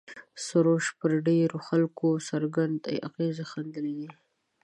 سروش پر ډېرو خلکو څرګند اغېز ښندلی دی.